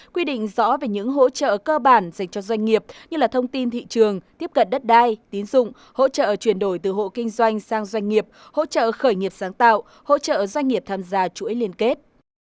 quy định rõ về những hỗ trợ cơ bản dành cho doanh nghiệp như là thông tin thị trường tiếp cận đất đai tín dụng hỗ trợ chuyển đổi từ hộ kinh doanh sang doanh nghiệp hỗ trợ khởi nghiệp sáng tạo hỗ trợ doanh nghiệp tham gia chuỗi liên kết